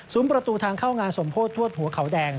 ประตูทางเข้างานสมโพธิทวดหัวเขาแดง